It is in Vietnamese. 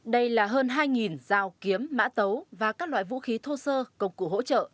đây là hơn hai dao kiếm mã tấu và các loại vũ khí thô sơ công cụ hỗ trợ